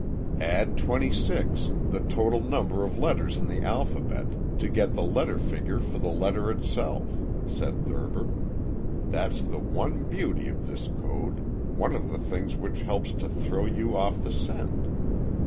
"Add twenty six the total number of letters in the alphabet to the letter figure for the letter itself," said Thurber. "That's the one beauty of this code, one of the things which helps to throw you off the scent.